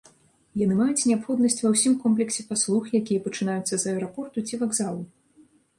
Яны маюць неабходнасць ва ўсім комплексе паслуг, якія пачынаюцца з аэрапорту ці вакзалу.